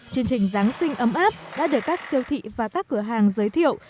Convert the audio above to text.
chương trình giáng sinh ấm áp đã được các siêu thị và các cửa hàng giới thiệu